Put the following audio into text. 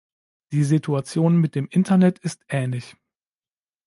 Die Situation mit dem Internet ist ähnlich.